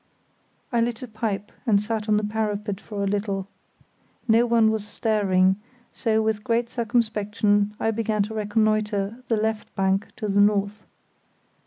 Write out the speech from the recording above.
I lit a pipe and sat on the parapet for a little. No one was stirring, so with great circumspection I began to reconnoitre the left bank to the north.